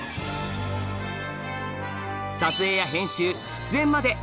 撮影や編集出演まで！